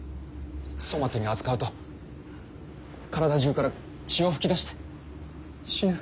粗末に扱うと体中から血を噴き出して死ぬ。